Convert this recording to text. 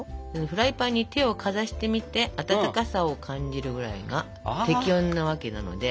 フライパンに手をかざしてみて温かさを感じるぐらいが適温なわけなので。